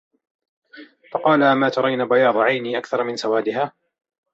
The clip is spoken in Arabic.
فَقَالَ أَمَّا تَرَيْنَ بَيَاضَ عَيْنَيَّ أَكْثَرَ مِنْ سَوَادِهَا ،